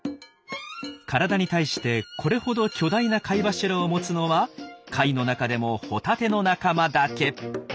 体に対してこれほど巨大な貝柱を持つのは貝の中でもホタテの仲間だけ。